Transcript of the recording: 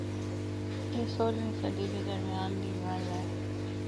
اے سولہویں صدی دے درمیان دی گل اے۔